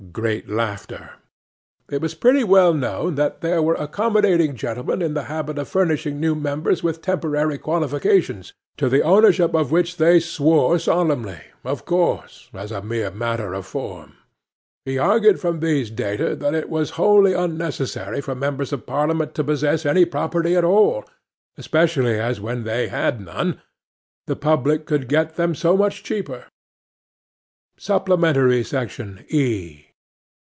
(Great laughter.) It was pretty well known that there were accommodating gentlemen in the habit of furnishing new members with temporary qualifications, to the ownership of which they swore solemnly—of course as a mere matter of form. He argued from these data that it was wholly unnecessary for members of Parliament to possess any property at all, especially as when they had none the public could get them so much cheaper. 'SUPPLEMENTARY SECTION, E.